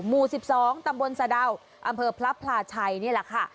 หมู่๑๒ตำบลสะดาวอำเภอพระพลาชัยนี่แหละค่ะ